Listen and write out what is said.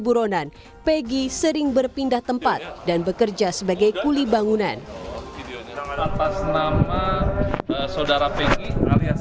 buronan peggy sering berpindah tempat dan bekerja sebagai kuli bangunan video keterangan atas nama saudara pegi alias